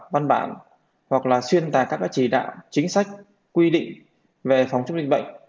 văn bản hoặc là xuyên tạc các chỉ đạo chính sách quy định về phòng chống dịch bệnh